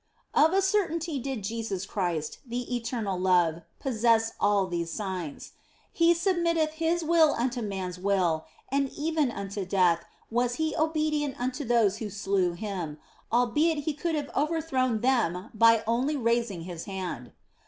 Of a certainty did Jesus Christ, the Eternal Love, possess all these signs. He submitted His will unto man s will, and even unto death was He obedient unto those who slew Him, albeit He could have overthrown them by only raising His hand.